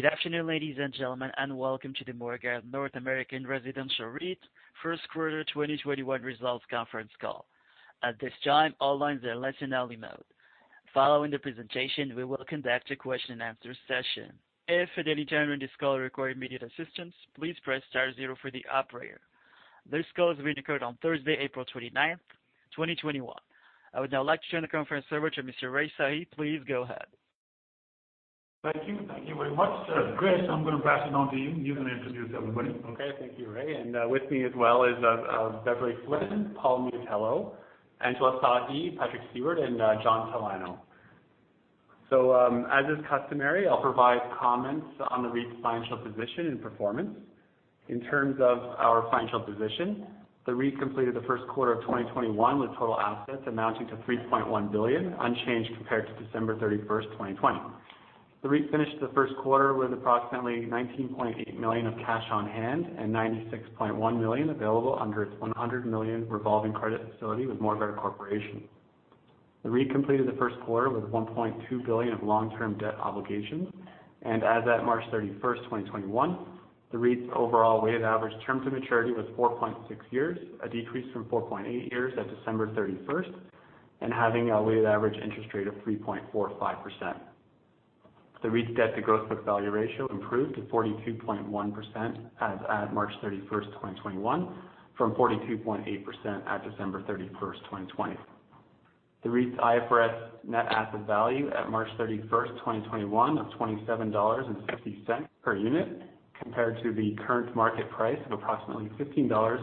Good afternoon, ladies and gentlemen, and welcome to the Morguard North American Residential REIT first quarter 2021 results conference call. I would now like to turn the conference over to Mr. K. Rai Sahi. Please go ahead. Thank you. Thank you very much. Chris, I'm going to pass it on to you. You can introduce everybody. Okay. Thank you, K. Rai Sahi. With me as well is Beverley Flynn, Paul Miatello, Angela Sahi, Patrick Stewart, and John Talano. As is customary, I'll provide comments on the REIT's financial position and performance. In terms of our financial position, the REIT completed the first quarter of 2021 with total assets amounting to 3.1 billion, unchanged compared to December 31st, 2020. The REIT finished the first quarter with approximately 19.8 million of cash on hand and 96.1 million available under its 100 million revolving credit facility with Morguard Corporation. The REIT completed the first quarter with 1.2 billion of long-term debt obligations, as at March 31st, 2021, the REIT's overall weighted average term to maturity was 4.6 years, a decrease from 4.8 years at December 31st, having a weighted average interest rate of 3.45%. The REIT's debt to gross book value ratio improved to 42.1% as at March 31st, 2021, from 42.8% at December 31st, 2020. The REIT's IFRS net asset value at March 31st, 2021, of 27.50 dollars per unit compared to the current market price of approximately 15.50 dollars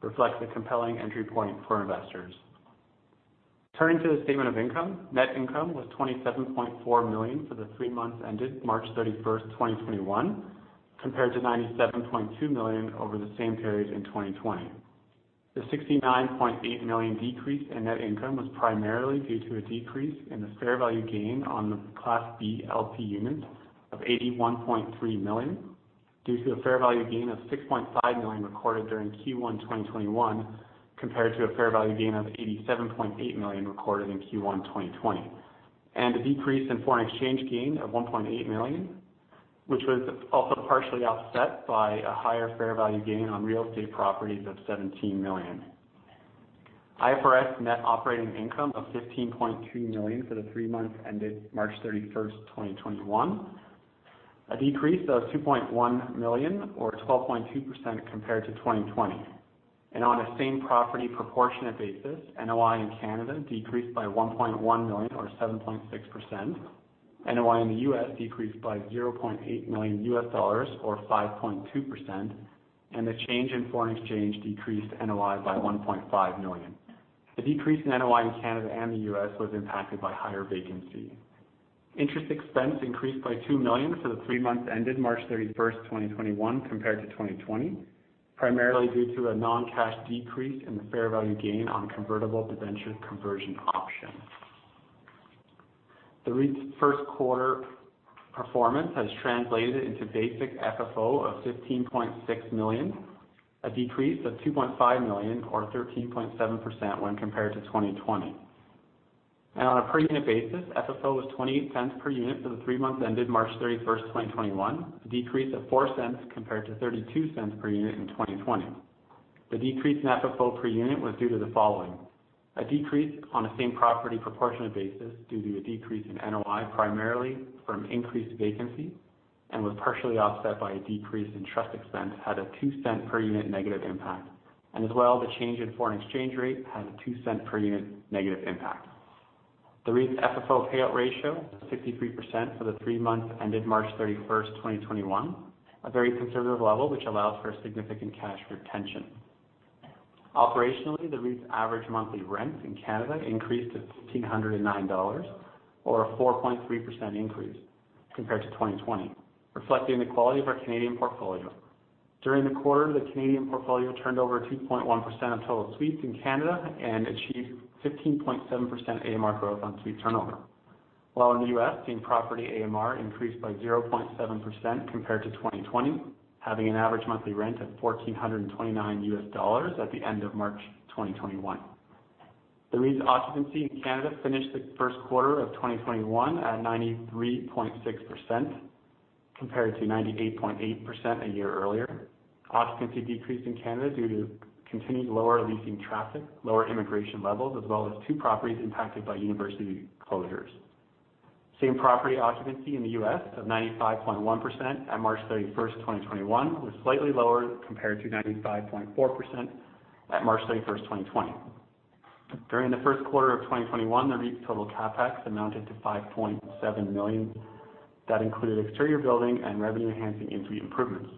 reflects a compelling entry point for investors. Turning to the statement of income, net income was 27.4 million for the three months ended March 31st, 2021, compared to 97.2 million over the same period in 2020. The 69.8 million decrease in net income was primarily due to a decrease in the fair value gain on the Class B LP units of 81.3 million due to a fair value gain of 6.5 million recorded during Q1 2021 compared to a fair value gain of 87.8 million recorded in Q1 2020. A decrease in foreign exchange gain of 1.8 million, which was also partially offset by a higher fair value gain on real estate properties of CAD 17 million. IFRS net operating income of CAD 15.3 million for the three months ended March 31st, 2021, a decrease of 2.1 million or 12.2% compared to 2020. On a same-property proportionate basis, NOI in Canada decreased by 1.1 million or 7.6%. NOI in the U.S. decreased by $0.8 million or 5.2%. The change in foreign exchange decreased NOI by 1.5 million. The decrease in NOI in Canada and the U.S. was impacted by higher vacancy. Interest expense increased by 2 million for the three months ended March 31st, 2021 compared to 2020, primarily due to a non-cash decrease in the fair value gain on convertible debentures conversion option. The REIT's first quarter performance has translated into basic FFO of 15.6 million, a decrease of 2.5 million or 13.7% when compared to 2020. On a per unit basis, FFO was 0.28 per unit for the three months ended March 31st, 2021, a decrease of 0.04 compared to 0.32 per unit in 2020. The decrease in FFO per unit was due to the following: A decrease on a same-property proportionate basis due to a decrease in NOI primarily from increased vacancy and was partially offset by a decrease in trust expense, had a 0.02 per unit negative impact. As well, the change in foreign exchange rate had a 0.02 per unit negative impact. The REIT's FFO payout ratio was 63% for the three months ended March 31st, 2021, a very conservative level, which allows for significant cash retention. Operationally, the REIT's average monthly rent in Canada increased to 1,509 dollars or a 4.3% increase compared to 2020, reflecting the quality of our Canadian portfolio. During the quarter, the Canadian portfolio turned over 2.1% of total suites in Canada and achieved 15.7% AMR growth on suite turnover. While in the U.S., same property AMR increased by 0.7% compared to 2020, having an average monthly rent of $1,429 U.S. at the end of March 2021. The REIT's occupancy in Canada finished the first quarter of 2021 at 93.6% compared to 98.8% a year earlier. Occupancy decreased in Canada due to continued lower leasing traffic, lower immigration levels, as well as two properties impacted by university closures. Same property occupancy in the U.S. of 95.1% at March 31st, 2021, was slightly lower compared to 95.4% at March 31st, 2020. During the first quarter of 2021, the REIT's total CapEx amounted to 5.7 million. That included exterior building and revenue-enhancing in-suite improvements.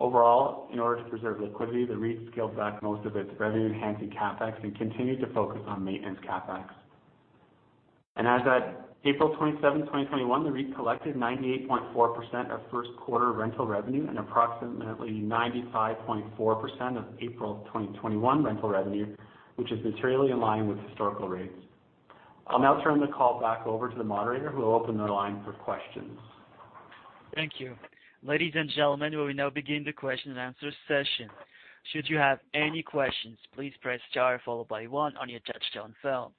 In order to preserve liquidity, the REIT scaled back most of its revenue-enhancing CapEx and continued to focus on maintenance CapEx. As at April 27th, 2021, the REIT collected 98.4% of first quarter rental revenue and approximately 95.4% of April 2021 rental revenue, which is materially in line with historical rates. I'll now turn the call back over to the moderator who will open the line for questions. Thank you. Ladies and gentlemen, we will now begin the question and answer session. Should you have any questions, please press star followed by one on your touchtone phone.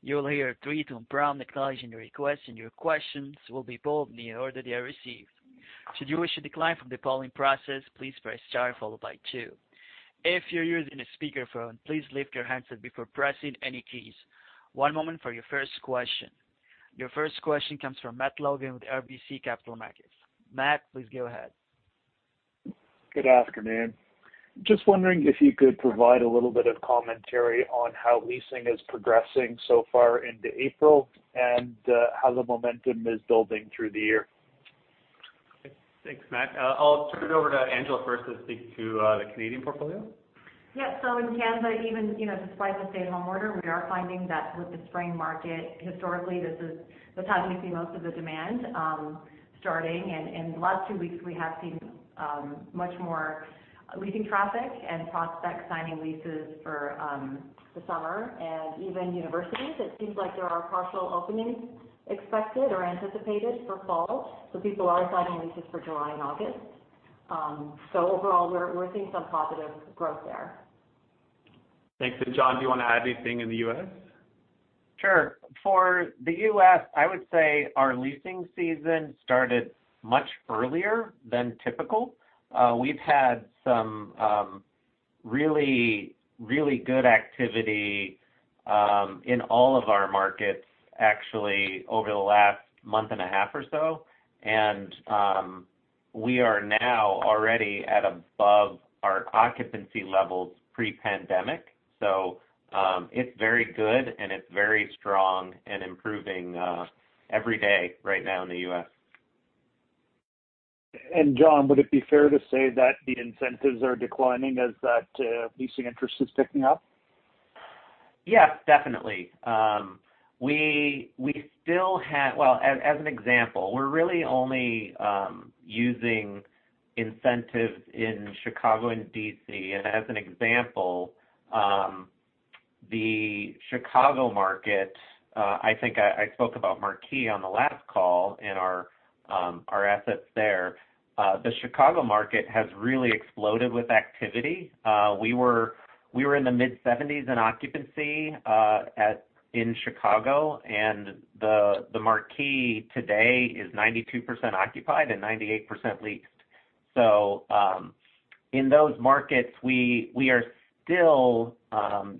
You will hear a three-tone prompt acknowledging your request, and your questions will be pulled in the order they are received. Should you wish to decline from the polling process, please press star followed by two. If you're using a speakerphone, please lift your handset before pressing any keys. One moment for your first question. Your first question comes from Matt Logan with RBC Capital Markets. Matt, please go ahead. Good afternoon. Just wondering if you could provide a little bit of commentary on how leasing is progressing so far into April and how the momentum is building through the year? Okay, thanks, Matt. I'll turn it over to Angela first to speak to the Canadian portfolio. Yeah. In Canada, even despite the stay-at-home order, we are finding that with the spring market, historically, this is the time you see most of the demand starting. In the last two weeks, we have seen much more leasing traffic and prospects signing leases for the summer. Even universities, it seems like there are partial openings expected or anticipated for fall, so people are signing leases for July and August. Overall, we're seeing some positive growth there. Thanks. John, do you want to add anything in the U.S.? Sure. For the U.S., I would say our leasing season started much earlier than typical. We've had some really good activity in all of our markets actually over the last month and a half or so. We are now already at above our occupancy levels pre-pandemic. It's very good, and it's very strong and improving every day right now in the U.S. John, would it be fair to say that the incentives are declining as that leasing interest is picking up? Yes, definitely. As an example, we're really only using incentives in Chicago and D.C. As an example, the Chicago market, I think I spoke about Marquee on the last call and our assets there. The Chicago market has really exploded with activity. We were in the mid-70s in occupancy in Chicago, and the Marquee today is 92% occupied and 98% leased. In those markets, we are still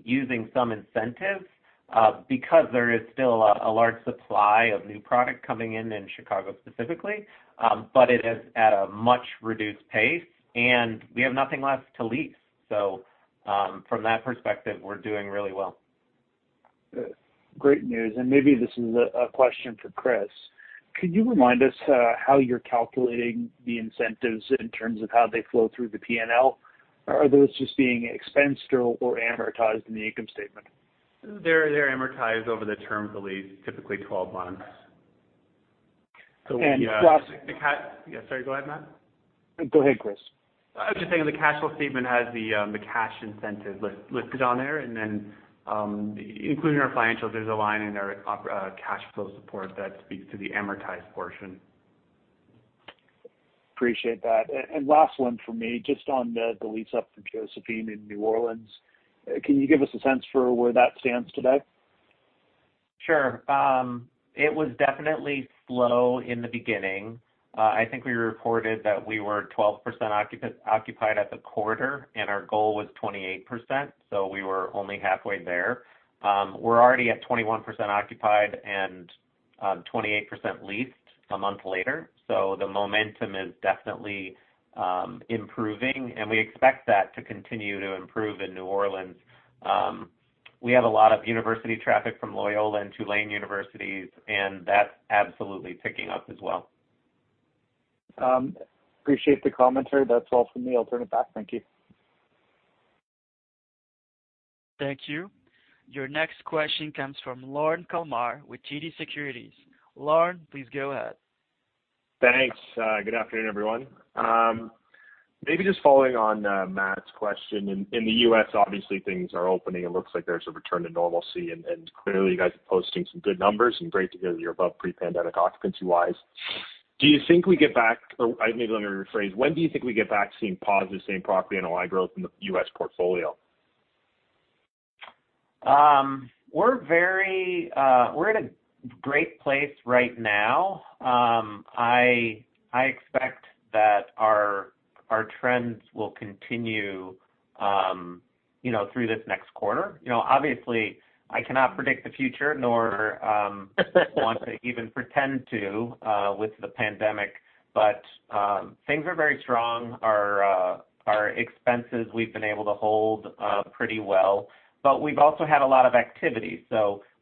using some incentives because there is still a large supply of new product coming in Chicago specifically. It is at a much reduced pace, and we have nothing left to lease. From that perspective, we're doing really well. Good. Great news. Maybe this is a question for Chris. Could you remind us how you're calculating the incentives in terms of how they flow through the P&L? Are those just being expensed or amortized in the income statement? They're amortized over the term of the lease, typically 12 months. And last- Sorry, go ahead, Matt. Go ahead, Chris. I was just saying the cash flow statement has the cash incentive listed on there. Including our financials, there's a line in our cash flow statement that speaks to the amortized portion. Appreciate that. Last one from me, just on the lease up for Josephine in New Orleans. Can you give us a sense for where that stands today? Sure. It was definitely slow in the beginning. I think we reported that we were 12% occupied at the quarter, and our goal was 28%, so we were only halfway there. We're already at 21% occupied and 28% leased a month later. The momentum is definitely improving, and we expect that to continue to improve in New Orleans. We have a lot of university traffic from Loyola and Tulane universities, and that's absolutely picking up as well. Appreciate the commentary. That's all from me. I'll turn it back. Thank you. Thank you. Your next question comes from Lorne Kalmar with TD Securities. Lorne, please go ahead. Thanks. Good afternoon, everyone. Maybe just following on Matt's question. In the U.S., obviously things are opening. It looks like there's a return to normalcy, and clearly, you guys are posting some good numbers and great to hear you're above pre-pandemic occupancy-wise. Maybe let me rephrase. When do you think we get back to seeing positive same-property NOI growth in the U.S. portfolio? We're in a great place right now. I expect that our trends will continue through this next quarter. Obviously, I cannot predict the future, nor want to even pretend to with the pandemic. Things are very strong. Our expenses we've been able to hold pretty well, but we've also had a lot of activity.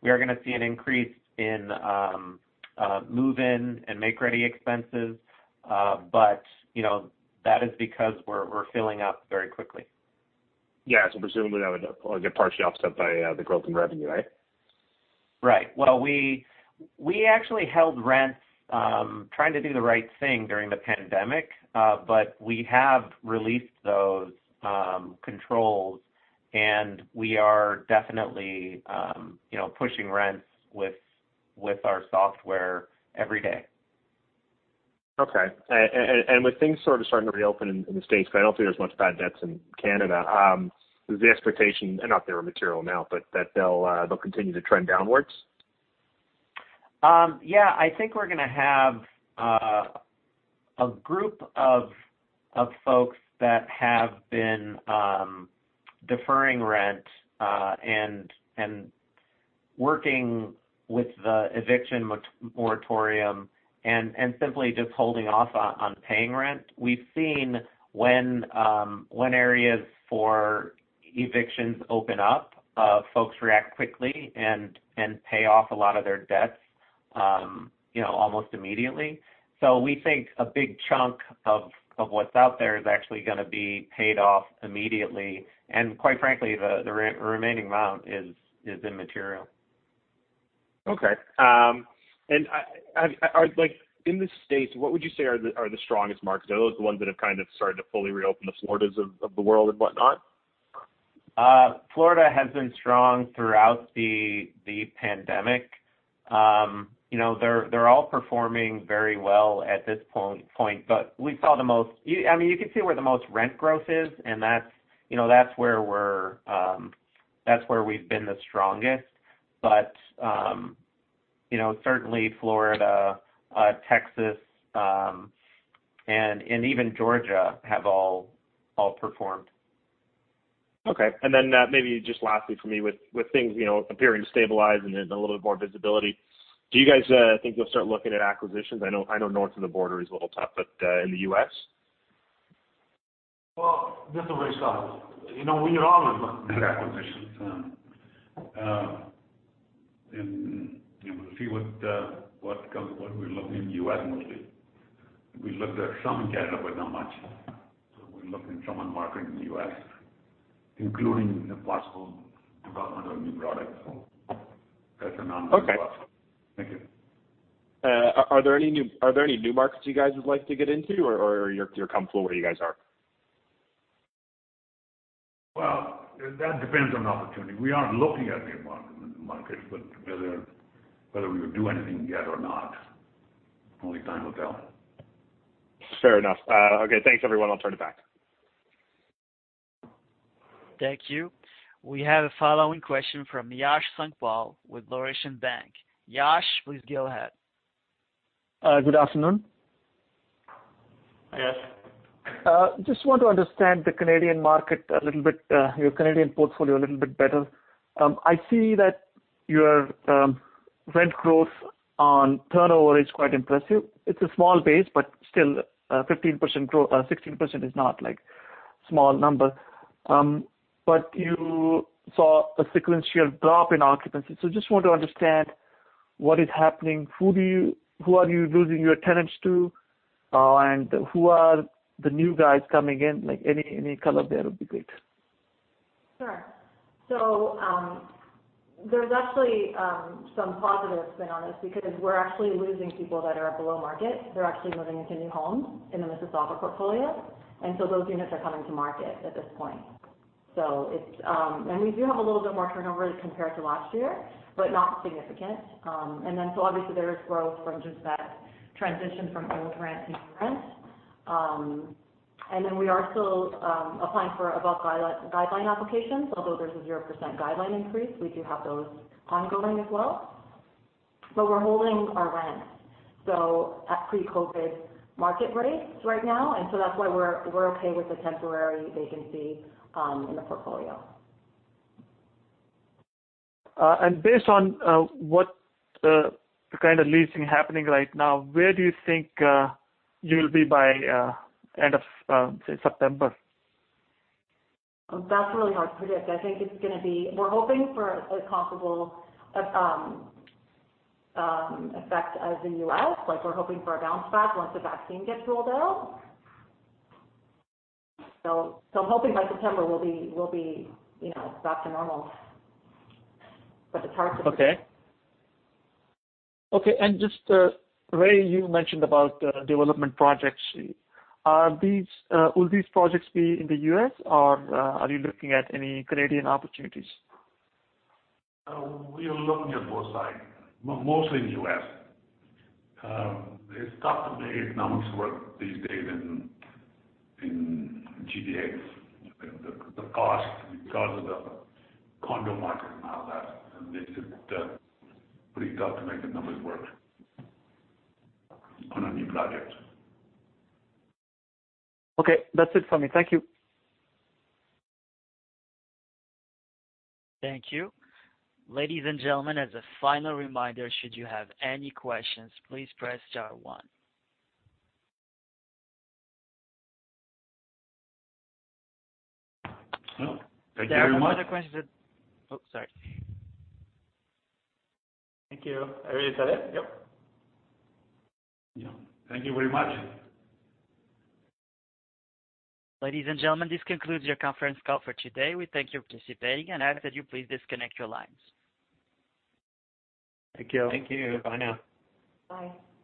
We are going to see an increase in move-in and make-ready expenses. That is because we're filling up very quickly. Yeah. Presumably that would get partially offset by the growth in revenue, right? Right. Well, we actually held rents trying to do the right thing during the pandemic. We have released those controls, and we are definitely pushing rents with our software every day. Okay. With things sort of starting to reopen in the U.S., because I don't think there's much bad debts in Canada. Is the expectation, not they were material amount, but that they'll continue to trend downwards? I think we're going to have a group of folks that have been deferring rent and working with the eviction moratorium and simply just holding off on paying rent. We've seen when areas for evictions open up, folks react quickly and pay off a lot of their debts almost immediately. We think a big chunk of what's out there is actually going to be paid off immediately, and quite frankly, the remaining amount is immaterial. Okay. In the U.S., what would you say are the strongest markets? Are those the ones that have kind of started to fully reopen, the Floridas of the world and whatnot? Florida has been strong throughout the pandemic. They're all performing very well at this point. You can see where the most rent growth is, and that's where we've been the strongest. Certainly Florida, Texas, and even Georgia have all performed. Okay. Maybe just lastly from me, with things appearing to stabilize and there's a little bit more visibility, do you guys think you'll start looking at acquisitions? I know north of the border is a little tough, in the U.S.? This is where we start. We are always looking at acquisitions. We'll see what comes. We're looking in the U.S. mostly. We looked at some in Canada, but not much. We're looking at some marketing in the U.S., including the possible development of new products. That's an ongoing process. Okay. Thank you. Are there any new markets you guys would like to get into, or you're comfortable where you guys are? Well, that depends on opportunity. We are looking at new markets, but whether we would do anything yet or not, only time will tell. Fair enough. Okay, thanks everyone. I'll turn it back. Thank you. We have a following question from Yash Sankpal with Laurentian Bank. Yash, please go ahead. Good afternoon. Hi, Yash. Just want to understand the Canadian market a little bit, your Canadian portfolio a little bit better. I see that your rent growth on turnover is quite impressive. It's a small base, but still, 16% is not a small number. You saw a sequential drop in occupancy. Just want to understand what is happening. Who are you losing your tenants to? Who are the new guys coming in? Any color there would be great. Sure. There's actually some positive spin on this because we're actually losing people that are below market. They're actually moving into new homes in the Mississauga portfolio. Those units are coming to market at this point. We do have a little bit more turnover compared to last year, but not significant. Obviously there is growth from just that transition from old rent to new rent. We are still applying for above guideline applications. Although there's a 0% guideline increase, we do have those ongoing as well. We're holding our rent at pre-COVID market rates right now. That's why we're okay with the temporary vacancy in the portfolio. Based on what kind of leasing happening right now, where do you think you'll be by end of, say, September? That's really hard to predict. We're hoping for a comparable effect as the U.S. We're hoping for a bounce back once the vaccine gets rolled out. I'm hoping by September we'll be back to normal. Okay. Just, Rai, you mentioned about development projects, will these projects be in the U.S., or are you looking at any Canadian opportunities? We are looking at both sides, mostly in the U.S. It's tough to make economics work these days in GTA because of the condo market and all that. It's pretty tough to make the numbers work on a new project. Okay. That's it for me. Thank you. Thank you. Ladies and gentlemen, as a final reminder, should you have any questions, please press star one. Thank you very much. There are no other questions. Oh, sorry. Thank you. I think that's it. Yep. Yeah. Thank you very much. Ladies and gentlemen, this concludes your conference call for today. We thank you for participating and ask that you please disconnect your lines. Thank you. Thank you. Bye now. Bye.